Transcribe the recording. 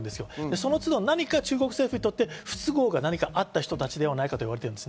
その都度、中国政府にとって何か不都合があった人たちではないかと言われています。